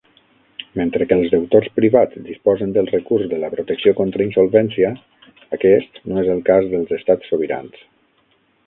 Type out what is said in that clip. Mentre que els deutors privats disposen del recurs de la protecció contra insolvència, aquest no és el cas dels estats sobirans.